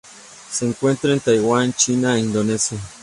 Se encuentra en Taiwán, China e Indonesia.